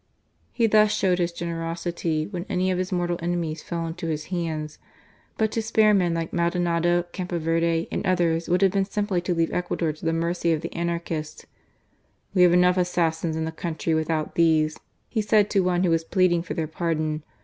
He thus showed his generosity when any of his mortal enemies fell into his hands ; but to spare men like Maldonado, Campoverde, and others, would have been simply to leave Ecuador to the mercy of the anarchists. "We have enough assassins in the country without these," he said to one who was pleading for their pardon.